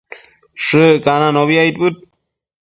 Shëccananobi aidbëd